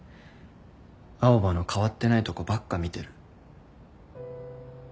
青羽の変わってないとこばっか見てる。